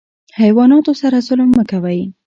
حیواناتو سره ظلم مه کوئ